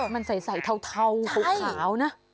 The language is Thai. มันใสเทาเขาขาวนะใช่